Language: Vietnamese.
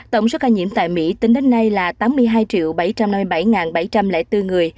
tổng số ca nhiễm tại mỹ tính đến nay là tám mươi hai bảy trăm linh ca tử vong